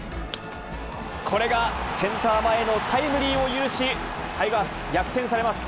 これがセンター前のタイムリーを許し、タイガース、逆転されます。